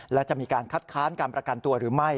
และจะมีการคัดค้านการประกันตัวหรือไม่